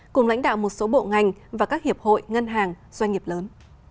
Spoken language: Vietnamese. cùng lãnh đạo một số bộ ngành và các hiệp hội ngân hàng doanh nghiệp lớn